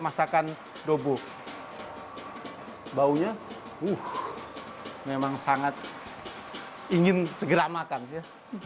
masakan dobo baunya wuh memang sangat ingin segera makan sih